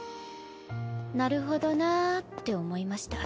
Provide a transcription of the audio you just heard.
なるほどなって思いました。